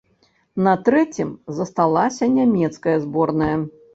На трэцім засталася нямецкая зборная.